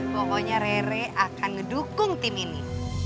pokoknya rere akan ngedukung tim ini